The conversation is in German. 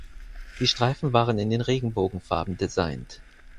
Die Streifen waren in den Regenbogenfarben designt.